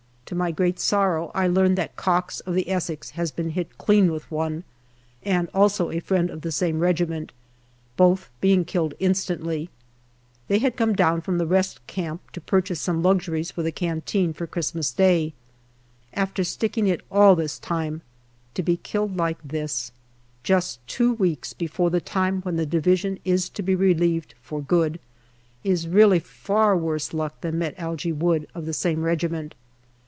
To my great sorrow I learn that Cox, of the Essex, has been hit clean with one, and also a friend of the same regiment, both being killed instantly. They had come down from the rest camp to purchase DECEMBER 307 some luxuries for the canteen for Christmas Day. After sticking it all this time to be killed like this, just two weeks before the time when the Division is to be relieved for good, is really far worse luck than met Algy Wood, of the same regiment.